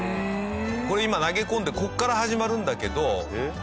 これ今投げ込んでこっから始まるんだけど。